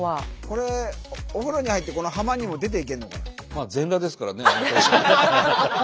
これお風呂に入ってこの浜にも出て行けるのかな？